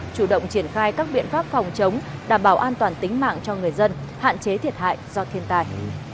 chủ động triển khai các biện pháp phòng chống đảm bảo an toàn tính mạng cho người dân hạn chế thiệt hại do thiên tai